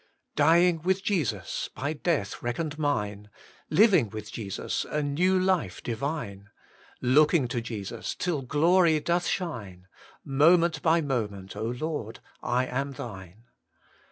Dying with Jesus, by death reckoned mine, Living with Jesus a new life divine ; Looking to Jesus till glory doth shine, Moment by moment, Lord, I am Thine.